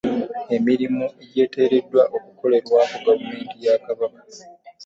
Emirimu egyateereddwa okukolebwako Gavumenti ya Kabaka.